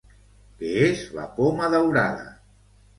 Què és la poma daurada?